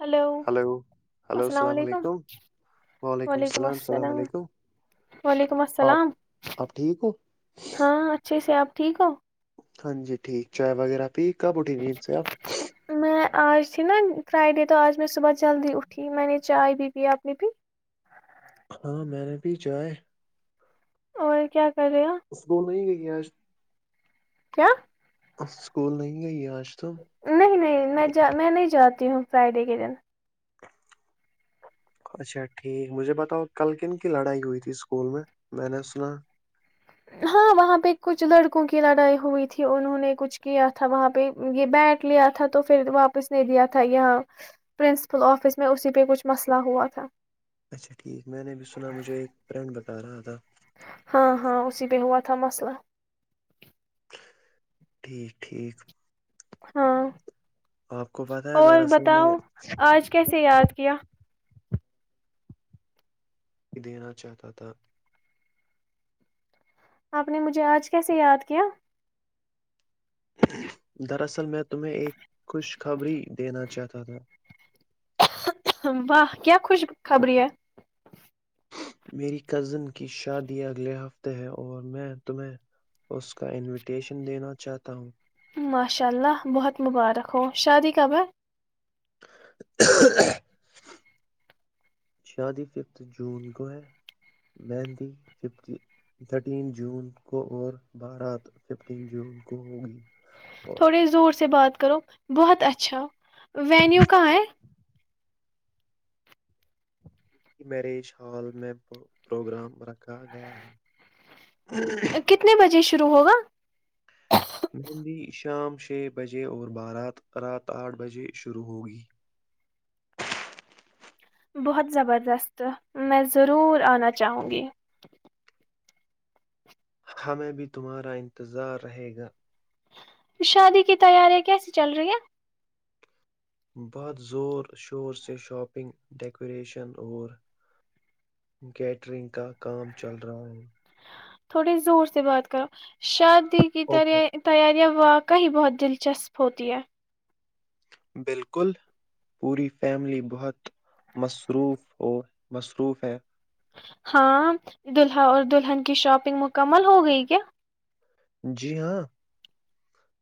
hello السلام علیکم وعلیکم السلام وعلیکم آپ السلام آپ ٹھیک ہو ہاں اچھی سے آپ ٹھیک ہو ہاں جی ٹھیک چائے وغیرہ پی کب اٹھی گی ان سے آپ میں اج سے نا فرائیڈے تو اج میں صبح جلدی اٹھی میں نے چائے دی تھی اپنی بھی ہاں میں نے بھی چائے اور کیا کر رہے ہو اس کو نہیں گئی جیاز کیا اسکول نہیں گئی آج تو ج ہ فرائیڈے کے دن اچھا ٹھیک مجھے بتاؤ کل کن کی لڑائی ہوئی تھی اسکول میں میں نے سنا ہاں وہاں پہ کچھ لڑکوں کی لڑائی ہوئی تھی انہوں نے کچھ کیا تھا وہاں پہ یہ بیٹ لیا تھا تو پھر واپس نہیں دیا تھا یہاں پرنسپل آفس میں اسی پہ کچھ مسئلہ ہوا تھا اچھا ٹھیک ہے میں نے بھی سنا مجھے ایک فرینڈ بتا رہا تھا ہاں ہاں اسی پہ ہوا تھا مسئلہ ٹھیک ٹھیک ہاں آپ کو پتہ ہے اور دراصل میں بتاؤ آج کیسے یاد کیا دینا چاہتا تھا آپ نے مجھے آج کیسے یاد کیا دراصل میں تمہیں ایک خوش خبری دینا چاہتا تھا واہ کیا خوش خبری ہے میری کزن کی شادی اگلے ہفتے ہے اور میں تمہیں اس کا انویٹیشن دینا چاہتا ہوں ماشاء اللہ بہت مبارک ہو شادی کب ہے شادی ففتھ جون کو ہے مہندی تھرٹین جون کو اور بارات ففٹین جون کو ہوگی اور تھوڑے زور سے بات کرو بہت اچھا وینیو کہاں ہے میرج حال میں پروگرام رکھا گیا ہے کتنے بجے ش شروع ہوگا مہندی شام چھے بجے اور بارات رات آٹھ بجے شروع ہوگی بہت زبردست میں ضرور آنا چاہوں گی ہمیں بھی تمہارا انتظار رہے گا شادی کی تیاری کیسی چل رہی ہے بہت زور شور سے شاپنگ ڈیکوریشن اور کیٹرنگ کا کام چل رہا ہے تھوڑی زور سے بات کرو شادی کی تر اوکے تیارییاں واق کا ہی بہت دلچسپ ہوتی ہے بلکل پوری فیملی بہت مصروف ہو مصروف ہے ہاں دولہا اور دلہن کی شاپنگ مکمل ہو گئی کیا جی ہاں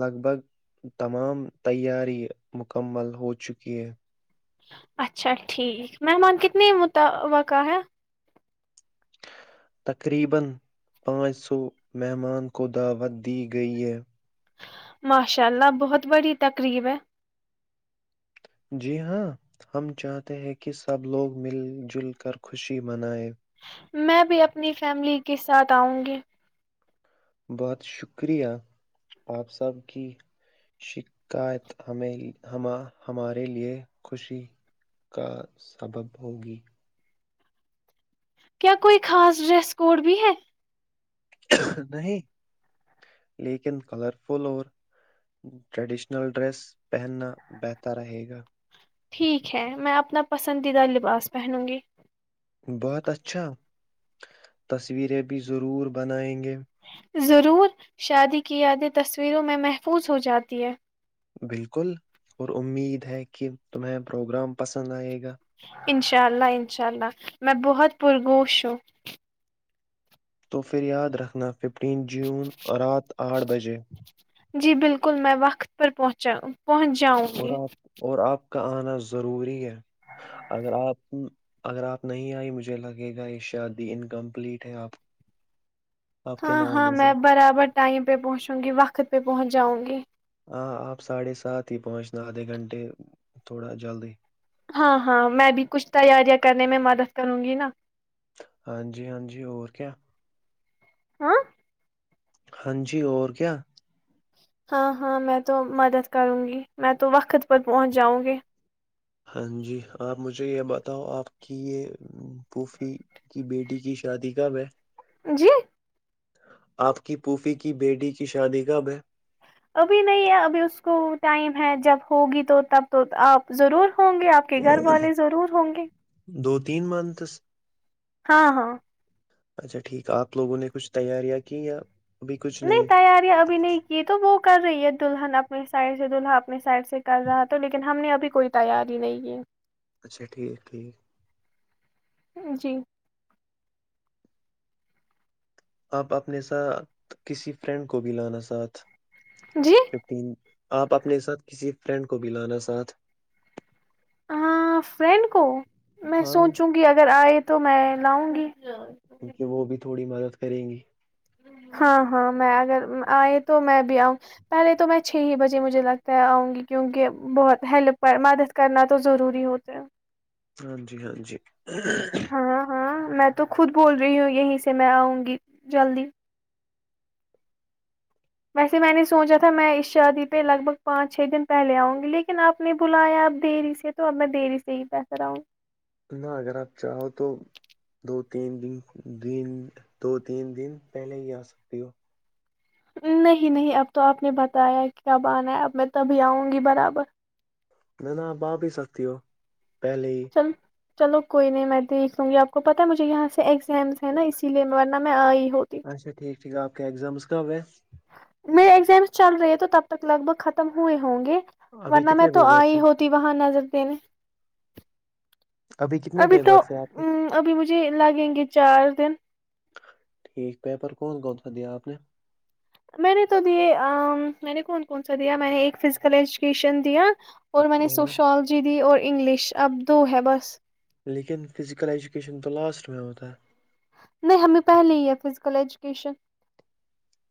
لگ بھگ تمام تیاری مکمل ہو چکی ہے اچھا ٹھیک مہمان کتنے متا وقع ہے تقریبن پانچ سو مہمان کو دعوت دی گئی ہے ماشاء اللہ بہت بڑی تقریب ہے جی ہاں ہم چاہتے ہیں کہ سب لوگ مل جل کر خوشی منائے میں بھی اپنی فیملی کے ساتھ آؤں گی بہت شکریہ آپ سب کی شکایت ہمیں ہم ہمارے لیے خوشی کا سبب ہوگی کیا کوئی خاص ڈریس کوڈ بھی ہے نہیں لیکن کلرفل اور ٹریڈیشنل ڈریس پہننا بہتر رہے گا ٹھیک ہے میں اپنا پسندیدہ لباس پہنوں گی بہت اچھا تصویریں بھی ضرور بنائیں گے ضرور شادی کی یادیں تصویروں میں محفوظ ہو جاتی ہیں بلکل اور امید ہے کہ تمہیں پروگرام پسند آئے گا [inaudible] انشاء اللہ انشاء اللہ میں بہت پرگوش ہوں تو پھر یاد رکھنا ففٹین جون رات آٹھ بجے جی بلکل میں وقت پر پہنچا ہوں پہنچ جاؤں گی اور آپ اور آپ کا آنا ضروری ہے اگر آپ اگر آپ نہیں آئی مجھے لگے گا یہ شادی ان کمپلیٹ ہے آپ آپ کے نہ ہاں ہاں آنے سے میں برابر ٹائم پہ پہنچوں گی وقت پہ پہنچ جاؤں گی ہاں آپ ساڑھے سات ہی پہنچنا آدھے گھنٹے تھوڑا جلدی ہاں ہاں میں بھی کچھ تیاریاں کرنے میں مدد کروں گی نا ہاں جی ہاں جی اور کیا ہاں ہاں جی اور کیا ہاں ہاں میں تو مدد کروں گی میں تو وقت پر پہنچ جاؤں گی ہاں جی آپ مجھے یہ بتاؤ آپ کی یہ پوفی کی بیٹی کی شادی کب ہے جی آپ کی پھوفھی کی بیٹی کی شادی کب ہے ابھی نہیں ہے ابھی اس کو ٹائم ہے جب ہوگی تو تب تو آپ ضرور ہوں گے آپ کے گھر والے ضرور ہوں گے دین مانتس [unintelligible] ہاں ہاں اچھا ٹھیک آپ لوگوں نے کچھ تیاریاں کی یا ابھی کچھ نہیں تیاریاں ابھی نہیں کی تو وہ کر رہی ہے دلہن اپنے سائڈ سے دلہا اپنے سائڈ سے کر رہا تو لیکن ہم نے ابھی کوئی تیاری نہیں کی اچھا ٹھیک ٹھیک جی آپ اپنے ساتھ کسی فرینڈ کو بھی لانا ساتھ جی ففٹین [unintelligible] آپ اپنے ساتھ کسی فرینڈ کو بھی لانا ساتھ ہاں فرینڈ کو میں ہاں سوچوں کہ اگر آئے تو تو میں لاؤں گی کیونکہ وہ بھی تھوڑی مدد کریں گی ہاں ہاں میں اگر آئے تو میں بھی آؤں پہلے تو میں چھ ہی بجے مجھے لگتا ہے آؤں گی کیونکہ بہت ہیلپ مدد کرنا تو ضروری ہوتا ہیں ہاں جی ہاں جی ہاں ہاں میں تو خود بول رہی ہوں یہیں سے میں آؤں گی جلدی ویسے میں نے سوچا تھا میں اس شادی پہ لگ بھگ پانچ چھ دن پہلے اوں گی لیکن اپ نے بلایا اب دیری سے تو اب میں دیری سے ہی بہتر اوں گی نہ اگر آپ چاہو تو دو تین دن د دو تین دن پہلے ہی آ سکتی ہو نہیں نہیں اب تو آپ نے بتایا کب آنا ہے اب میں تبھی آؤں گی برابر میں ن باپ ہی سکتی ہو پہلے چل چلو کوئی نہیں میں دیکھ دوں گی آپ کو پتا مجھے یہاں سے ایگزامس ہے نا اسی لیے ورنہ میں آئی ہوں اچھا ٹھیک ٹھیک ہے آپ کے اگزامز کب ہے میرے ایگزامس چل رہے ہے تو تب تک لگ بھگ ختم ہوئے ہوں گے ابھی ورنہ میں کتنے تو پیپرس آئی ہیں ہوتی وہاں نظر دینے کتنے ابھی تو پیپرس ہیں آپ کے ا ابھی مجھے لگیں گے چار دن ٹھیک ہے پیپر کون کون سا دیا اپ نے میں نے تو دی میں نے کون کون سا دیا میں نے ایک فزیکل ایجوکیشن دیا اور میں نے سوشالوجی دی اور انگلش ابدو ہے بس لیکن فزیکل ایجوکیشن تو لاسٹ میں ہوتا ہے نہیں ہمیں پہلے ہی ہے فزیکل ایجوکیشن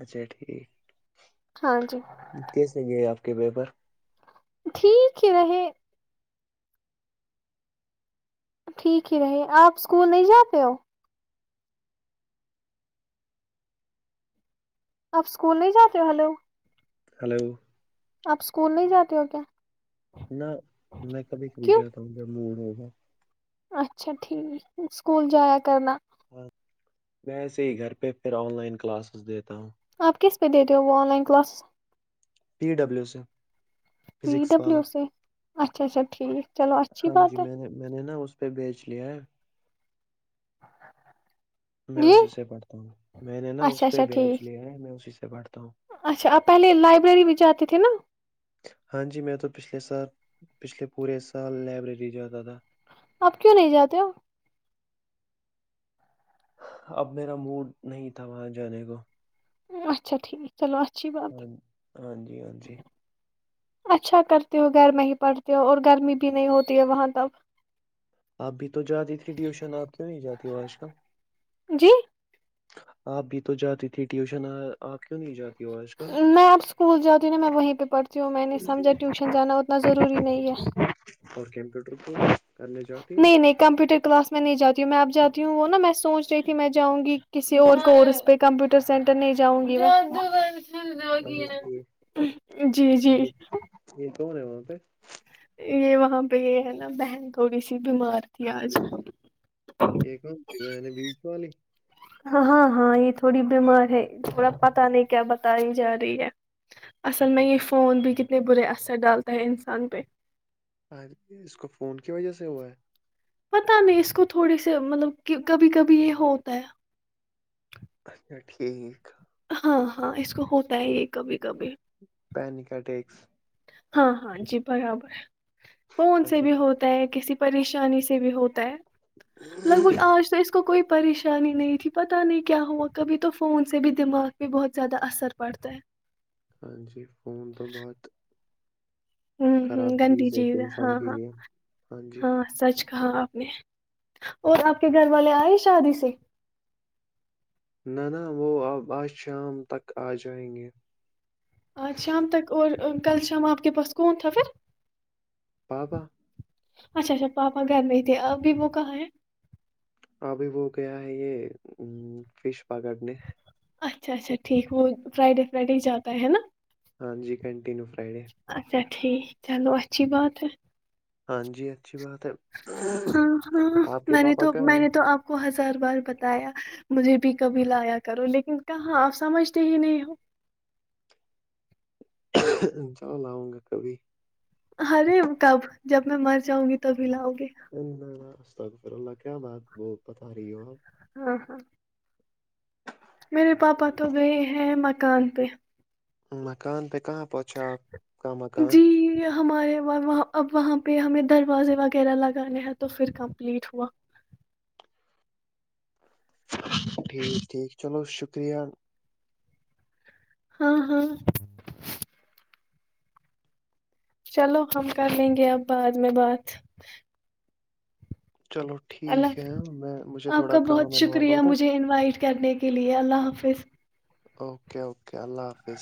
اچھا ٹھیک ہاں جی کیسے گئے آپ کے پےپر ٹھیک ہے رہ ٹھیک ہی رہے آپ اسکول نہیں جاتے ہو آپ اسکول نہیں جاتے ہو ہلو ہلو آپ اسکول نہیں جاتے ہو کیا نہ میں کبھی کبھی کیوں جرتاؤوں گ مور ہوں ہوں [unintelligible] اچھا ٹھیک اسکول جایا کرنا ہ وسے ہی گھر پہ پھر آن لائن کلاسز دیتا ہوں آپ کس پہ دے رہے ہو وہ online class P W سے پی فزکس والا ڈبلیو سے اچھا اچھا ٹھیک چلو اچھی ہاں جی بات ہے میں نے میں نے نا اس پہ بھیج لیا ہے میں جی اسی سے پڑھتا ہوں میں نے نا اچھا اس پہ اچھا بیچ ٹھیک لیا ہے میں اسی سے پ بڑ [unintelligible] اچھا آپ پہلے لائبریری بھی جاتے تھے نا ہاں جی میں تو پھلے س پچھلے پورے سال لائبریری جاتا تھا آپ کیوں نہیں جاتے ہو اب میرا موڈ نہیں تھا وہاں جانے کو اچھا ٹھیک چلو اچھی بات ہاں ہاں جی ہاں جی اچھا کرتی ہو گھر میں ہی پڑھتی ہو اور گرمی بھی نہیں ہوتی ہے وہاں تک اپ بھی تو جاتی تھی ٹیوشن آپ کیوں نہیں جاتی ہو آج کل جی آپ بھی تو جاتی تھی ٹیوشن آپ کیوں نہیں جاتی ہو آج کل میں اب اسکول جاتی ہوں نا میں وہیں پہ پڑھتی ہوں میں نے سمجھا ٹیوشن جانا اتنا ضروری نہیں ہے اور کمپیوٹر کو کرنے جاتی ہو نہیں نہیں کمپیوٹر کلاس میں نہیں جاتی ہوں میں اب جاتی ہوں وہ نا میں سوچ رہی تھی میں جاؤں گی کسی اور کورس پہ کمپیوٹر سینٹر نہیں جاؤں گی میں گ اچھا ٹھیک جی جی یہ کون ہے وہاں پے یہ وہاں پہ یہ ہے نا بہن تھوڑی سی بیمار تھی آج ایکن سی میں نے بیس والی ہاں ہاں یہ تھوڑی بیمار ہے تھوڑا پتا نہیں کیا بتائی جا رہی ہے اصل اچھا میں یہ ٹھیک فون ے برے اثر ڈالتا ہے انسان پہ ا اس کو فون کی وجہ سے ہوا ہے پتہ نہیں اس کو تھوڑے سے مطلب کہ کبھی کبھی یہ ہوتا ہے اچھا ٹھیک ہاں ہاں اس کو ہوتا ہے یہ کبھی کبھی پینیکا یکس ہاں ہاں جی برابر ہے کون سے اچھا بھی ہوتا ہے کسی پریشانی سے بھی ہوتا ہے لگ بھگ ٹھیک آج تو اس کو کوئی پریشانی نہیں تھی پتہ نہیں کیا ہوا کبھی تو فون سے بھی دماغ پہ بہت زیادہ اثر پڑتا ہے ہاں جی فون تو بہت ہوں ہوں خراب گند ہے ایک چیز ہاں انسان کے ہاں لیے ہاں سچ کہا آپ نے اور آپ کے گھر والے آئے شادی سے نہ نا وہ اب آج شام تک آجائیں گے آج شام تک اور کل شام آپ کے پاس کون تھا پھر بابا اچھا اچھا پاپا گھر میں ہی تھے ابھی وہ کہاں ہے ابھی وہ گیا ہے یہ فش پکڑنے اچھا اچھا ٹھیک وہ فرائیڈے فرائیڈے ہی جاتا ہے نا ہاں جی کینٹیینو فرائیڈے اچھا ٹھیک چلو اچھی بات ہے ہاں جی اچھی بات ہے ہاں ہاں آپ کے میں نے پاپا تو کہاں میں نے ہیں تو آپ کو ہس بار بار بتایا مجھے بھی کبھی لایا کرو لیکن کہاں آپ سمجھتے ہی نہیں ہو ان چال آؤں گا کبھی ارے کب جب میں مر جاؤں گی تب ہی لاؤں گی ان تقر اللہ کیا بات وہ بتا رہی ہو آپ ہاں ہاں میرے پاپا تو گئے ہیں مکان پہ مکان پک جی ہمارے اب وہاںہ ہمیں دروازے وغیرہ لگانے ہیں تو پھر کمپلیٹ ہوا ٹھیک ٹھیک چلو شکریہ ہاں ہاں چلو ہم کر لیں گے اب بعد میں بات چلو اللہ ٹھیک ہے حافظ میں مجھے آپ تھوڑا کا بہت کام ہے شکریہ ناربل تک مجھے انوائٹ کرنے کے لیے اللہ حافظ اوکے اوکے کیا اللہ حافظ